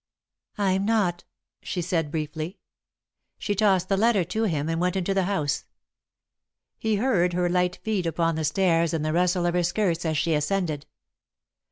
"I'm not," she said, briefly. She tossed the letter to him, and went into the house. He heard her light feet upon the stairs and the rustle of her skirts as she ascended.